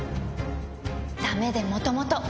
だめでもともと。